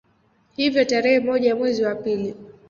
Hivyo tarehe moja mwezi wa pili